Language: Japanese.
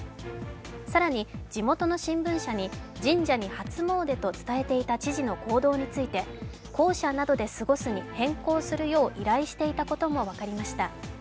更に地元の新聞社に神社に初詣と伝えていた知事の行動について公舎などで過ごすに変更するよう依頼していたことも分かりました。